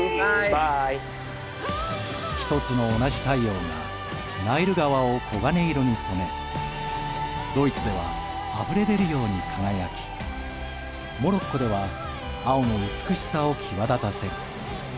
一つの同じ太陽がナイル川を黄金色に染めドイツではあふれ出るように輝きモロッコでは青の美しさを際立たせる。